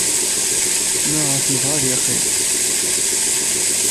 Maɣef ay yebɣa ad yeqqim?